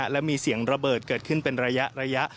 และมีเสียงระเบิดเกิดขึ้นเป็นระยะ